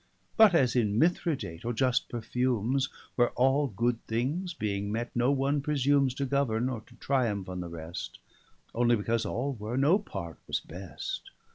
But as in Mithridate, or just perfumes, Where all good things being met, no one presumes To governe, or to triumph on the rest, Only because all were, no part was best.